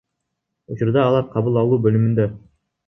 Учурда алар кабыл алуу бөлүмүндө.